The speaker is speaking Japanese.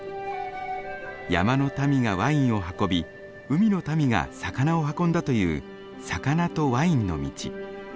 山の民がワインを運び海の民が魚を運んだという魚とワインの道。